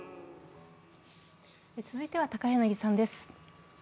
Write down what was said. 続いては高柳さんです。